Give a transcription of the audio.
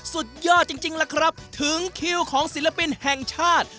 สุดยอดจริงล่ะครับถึงคิวของศิลปินแห่งชาติ